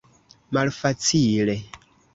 malfacile